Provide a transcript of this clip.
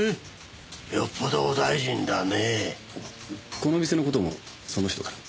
この店の事もその人から。